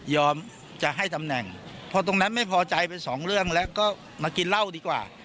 จะให้ตำแหน่งพอตรงนั้นไม่พอใจไปสองเรื่องแล้วก็มากินเหล้าดีกว่า